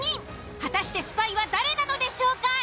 果たしてスパイは誰なのでしょうか？